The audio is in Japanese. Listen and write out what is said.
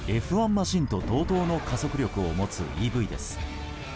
マシンと同等の加速力を持つＥＶです。